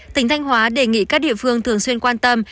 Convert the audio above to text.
tỉnh thanh hóa đề nghị các địa phương thường xuyên quan tâm